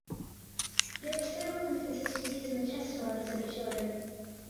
There were several inconsistencies in the testimonies of the children.